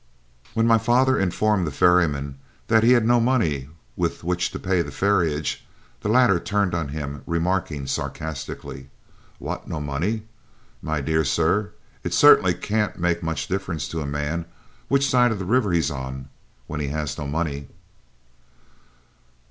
When my father informed the ferryman that he had no money with which to pay the ferriage, the latter turned on him remarking, sarcastically: "What, no money? My dear sir, it certainly can't make much difference to a man which side of the river he's on, when he has no money."